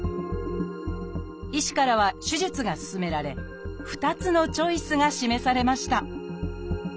医師からは手術が勧められ２つのチョイスが示されました。